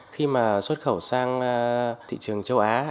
khi mà xuất khẩu sang thị trường châu á